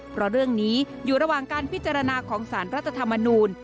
เพราะเรื่องนี้อยู่ระหว่างการพิจารณาของสารรัฐธรรมนูล